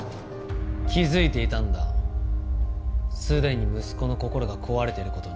気づいていたんだすでに息子の心が壊れている事に。